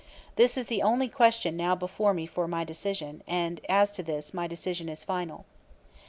This is the only question now before me for decision; and as to this my decision is final."